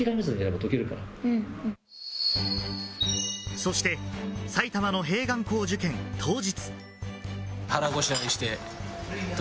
そして埼玉の併願校受験当日。